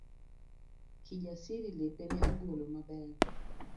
Kijasiri lepe ne ogolo maber